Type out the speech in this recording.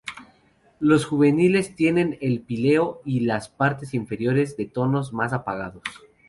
Los juveniles tienen el píleo y las partes inferiores de tonos más apagados.